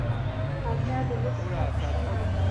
باچا د لور څخه پوښتنه وکړه.